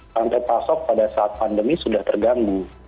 rantai pasok pada saat pandemi sudah terganggu